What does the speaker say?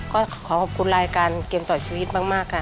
ก็ขอขอบคุณรายการเกมต่อชีวิตมากค่ะ